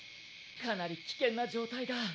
かなり危険な状態だ。